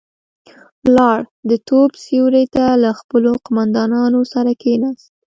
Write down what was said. لاړ، د توت سيورې ته له خپلو قوماندانانو سره کېناست.